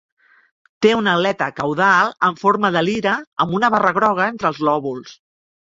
Té una aleta caudal en forma de lira amb una barra groga entre els lòbuls.